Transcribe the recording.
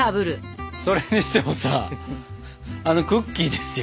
それにしてもさあのクッキーですよ。